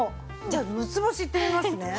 じゃあ６つ星いってみますね。